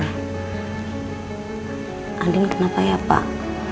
andien kenapa ya pak